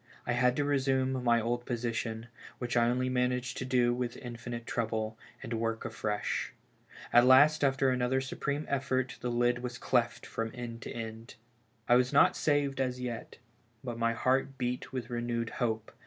I had to resume my old position — which I only managed to do with infinite trouble — and work afresh. At last, after another su preme effort, tlie lid was cleft from end to end. I was not saved as yet, but my heart beat with re newed hope.